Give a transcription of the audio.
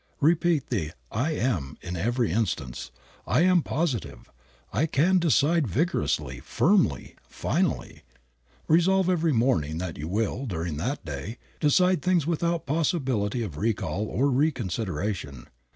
Repeat the "I am" in every instance. "I am positive." "I can decide vigorously, firmly, finally." Resolve every morning that you will, during that day, decide things without possibility of recall or reconsideration.